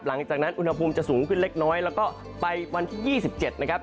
หลังจากนั้นอุณหภูมิจะสูงขึ้นเล็กน้อยแล้วก็ไปวันที่๒๗นะครับ